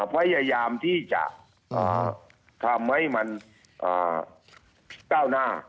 พยายามที่จะทำให้มันก้าวหน้า